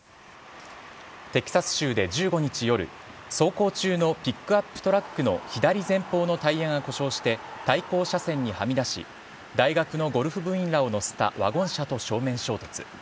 テキサス州で１５日夜走行中のピックアップトラックの左前方のタイヤが故障して対向車線にはみ出し大学のゴルフ部員らを乗せたワゴン車と正面衝突。